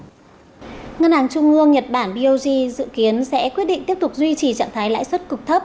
ngân hàng trung ương nhật bản bog dự kiến sẽ quyết định tiếp tục duy trì trạng thái lãi suất cực thấp